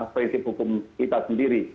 prinsip hukum kita sendiri